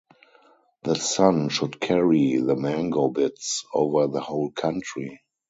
The sun should carry the mango bits over the whole country.